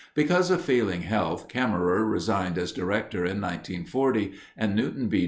Because of failing health, Cammerer resigned as Director in 1940, and Newton B.